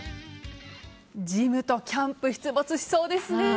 ジムとキャンプ出没しそうですね。